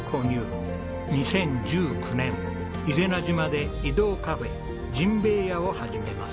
２０１９年伊是名島で移動カフェじんべいやを始めます。